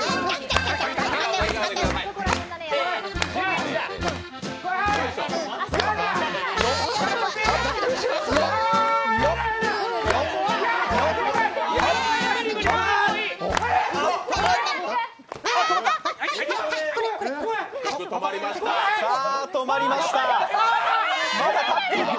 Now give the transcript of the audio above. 曲止まりました。